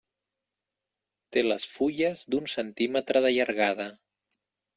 Té les fulles d'un centímetre de llargada.